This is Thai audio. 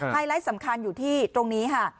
ไลท์สำคัญอยู่ที่ตรงนี้ค่ะ